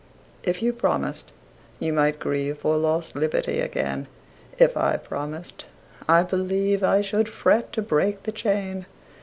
If you promised, you might grieveFor lost liberty again:If I promised, I believeI should fret to break the chain.